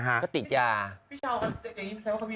วิสาวก็แสบว่าเขาเป็น